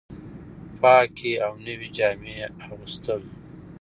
پاکې او نوې جامې اغوستل